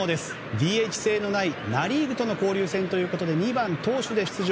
ＤＨ制のないナ・リーグとの交流戦ということで２番、投手で出場。